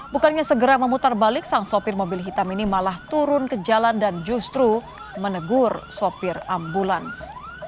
bukannya segera memutar balik sang sopir mobil hitam ini malah turun ke jalan dan justru menegur sopir ambulans